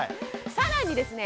更にですね